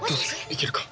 いけるか？